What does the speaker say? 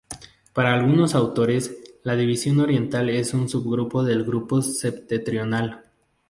Para algunos autores la división oriental es un subgrupo del grupo septentrional.